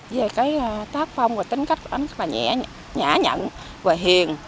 về cái tác phong và tính cách anh rất là nhẹ nhẫn và hiền